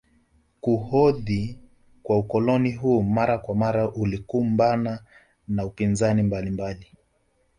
Kuhodhi kwa ukoloni huu mara kwa mara ulikumbana na upinzani mbalimbali